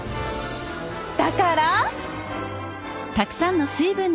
だから！